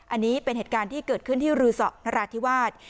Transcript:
อันนี้เป็นเหตุการณ์ที่เกิดขึ้นที่รือสอนราธิวาส